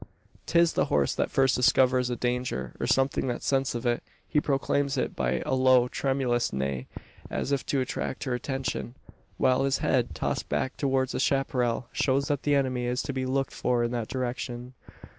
'Tis the horse that first discovers a danger, or something that scents of it. He proclaims it by a low tremulous neigh, as if to attract her attention; while his head, tossed back towards the chapparal, shows that the enemy is to be looked for in that direction.